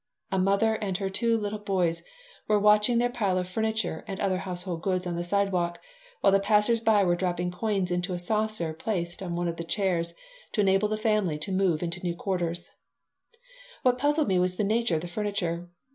A mother and her two little boys were watching their pile of furniture and other household goods on the sidewalk while the passers by were dropping coins into a saucer placed on one of the chairs to enable the family to move into new quarters What puzzled me was the nature of the furniture.